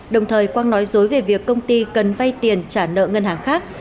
đồng thời quang nói dối về việc công ty cần vay tiền trả nợ ngân hàng khác